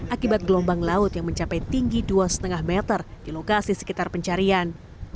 akibat gelombang laut yang mencapai tinggi dua lima meter di lokasi sekitar pencarian